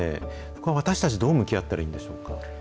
これは私たち、どう向き合ったらいいんでしょうか。